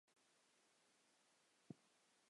晴明之墓在京都的渡月桥的附近静静长眠。